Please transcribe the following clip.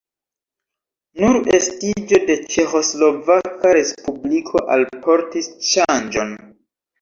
Nur estiĝo de Ĉeĥoslovaka respubliko alportis ŝanĝon.